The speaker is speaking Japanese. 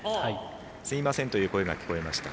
すみませんという声が聞こえました。